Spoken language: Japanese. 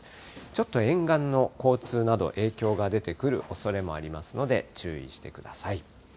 ちょっと沿岸の交通など、影響が出てくるおそれもありますので、注意してください。